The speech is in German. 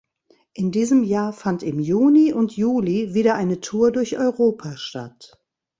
In diesem Jahr fand im Juni und Juli wieder eine Tour durch Europa statt.